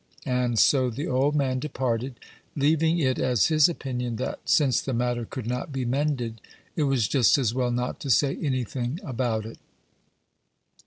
And so the old man departed, leaving it as his opinion that, since the matter could not be mended, it was just as well not to say any thing about it.